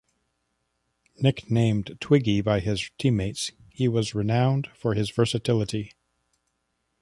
Nicknamed "Twiggy" by his teammates, he was renowned for his versatility.